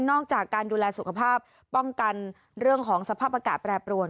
จากการดูแลสุขภาพป้องกันเรื่องของสภาพอากาศแปรปรวน